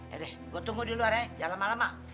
eh deh gue tunggu di luar ya jangan lama lama